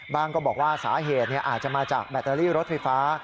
ก็บอกว่าสาเหตุอาจจะมาจากแบตเตอรี่รถไฟฟ้า